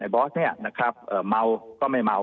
บอสเนี่ยนะครับเมาก็ไม่เมา